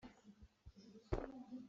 Maimawmh nih bu a sak.